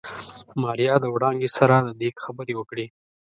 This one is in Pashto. ماريا د وړانګې سره د ديګ خبرې وکړې.